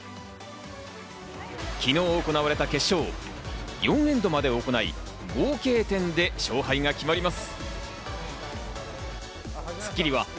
昨日行われた決勝、４エンドまで行い、合計点で勝敗が決まります。